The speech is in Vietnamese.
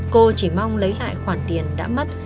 cô chỉ mong lấy lại khoản tiền đã mất